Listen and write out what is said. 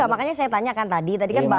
makanya saya tanyakan tadi